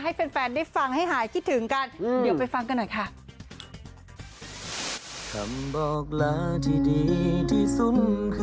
ให้แฟนได้ฟังให้หายคิดถึงกัน